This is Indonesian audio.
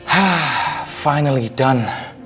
hah akhirnya selesai